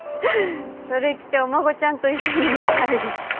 それ着てお孫ちゃんと一緒に寝たい？